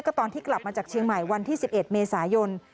ตอนที่กลับมาจากเชียงใหม่วันที่๑๑เมษายน